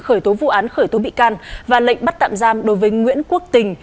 khởi tố vụ án khởi tố bị can và lệnh bắt tạm giam đối với nguyễn quốc tình